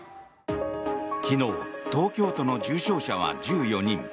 昨日東京都の重症者は１４人。